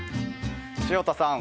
潮田さん